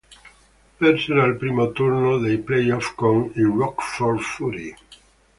Persero al primo turno dei play-off con i Rockford Fury.